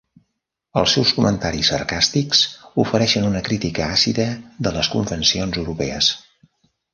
Els seus comentaris sarcàstics ofereixen una crítica àcida de les convencions europees.